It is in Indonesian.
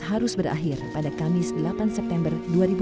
harus berakhir pada kamis delapan september dua ribu dua puluh